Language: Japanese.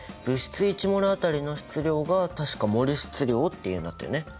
１ｍｏｌあたりの質量が確かモル質量っていうんだったよね。